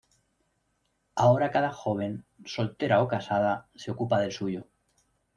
Ahora cada joven, soltera o casada, se ocupa del suyo.